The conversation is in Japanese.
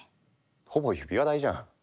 ほぼ指輪代じゃん。